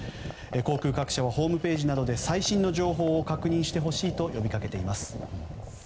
航空会社は、ホームページなどで最新の情報を確認してほしいと呼びかけています。